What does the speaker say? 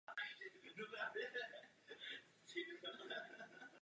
To vyžaduje společné úsilí.